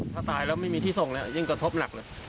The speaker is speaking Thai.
ถ้าตายแล้วไม่มีที่ส่งแล้วยิ่งกระทบหนักเลย